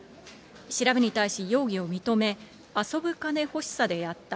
調べに対し容疑を認め、遊ぶ金欲しさでやった。